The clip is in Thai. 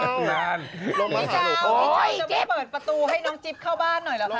พี่เช้านานพี่เช้าเปิดประตูให้น้องจิ๊มเข้าบ้านหน่อยแหละคะ